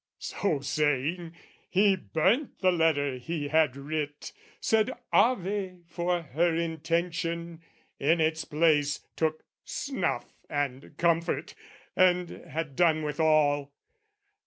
So saying, he burnt the letter he had writ, Said Ave for her intention, in its place, Took snuff and comfort, and had done with all.